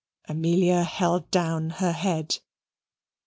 Amelia held down her head.